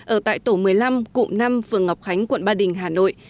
ở tại tổ một mươi năm cụm năm phường ngọc khánh quận ba đình hà nội